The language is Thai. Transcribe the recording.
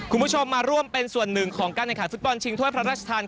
คุณผู้ชมมาร่วมเป็นส่วนหนึ่งของการแข่งขันฟุตบอลชิงถ้วยพระราชทาน